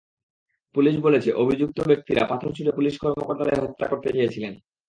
Police বলেছে, অভিযুক্ত ব্যক্তিরা পাথর ছুড়ে পুলিশ কর্মকর্তাদের হত্যা করতে চেয়েছিলেন।